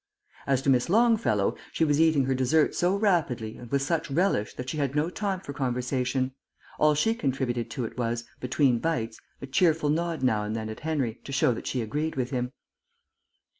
As to Miss Longfellow, she was eating her dessert so rapidly and with such relish that she had no time for conversation. All she contributed to it was, between bites, a cheerful nod now and then at Henry to show that she agreed with him.